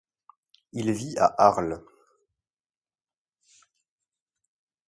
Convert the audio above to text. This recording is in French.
Il vit à Arles.